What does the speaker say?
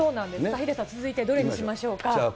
ヒデさん、続いてどれにしましょうか。